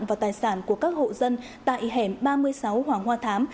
và tài sản của các hộ dân tại hẻm ba mươi sáu hoàng hoa thám